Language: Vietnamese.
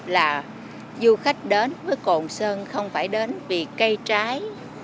là du khách đến với cồn sơn không phải đến vì cây trái